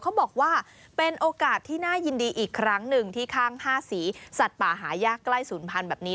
เขาบอกว่าเป็นโอกาสที่น่ายินดีอีกครั้งหนึ่งที่ข้าง๕สีสัตว์ป่าหายากใกล้ศูนย์พันธุ์แบบนี้